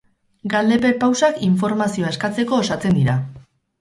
Galde-perpausak informazioa eskatzeko osatzen dira.